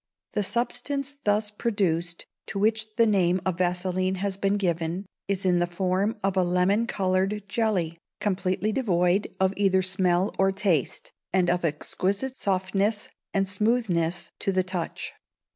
The substance thus produced, to which the name of "Vaseline" has been given, is in the form of a lemon coloured jelly, completely devoid of either smell or taste, and of exquisite softness and smoothness to the touch.